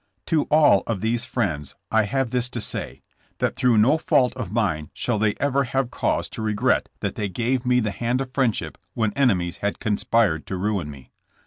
To all of these friends I have this to say, that through no fault of mine shall they ever have cause to regret that they gave me the hand of friendship when enemies had conspired to ruin me.